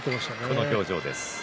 この表情ですね。